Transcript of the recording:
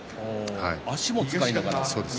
足も使いながら。